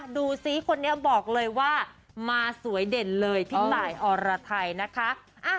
ดูซิคนนี้บอกเลยว่ามาสวยเด่นเลยพี่ตายอรไทยนะคะ